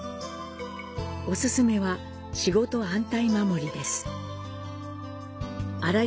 お勧めは、仕事安泰守です。